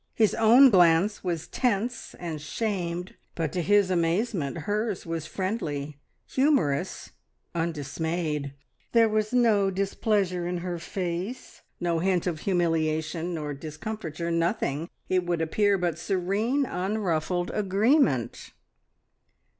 His own glance was tense and shamed, but to his amazement hers was friendly, humorous, undismayed. There was no displeasure in her face, no hint of humiliation nor discomfiture nothing, it would appear, but serene, unruffled agreement.